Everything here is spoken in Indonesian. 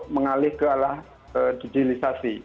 mengalih ke ala digitalisasi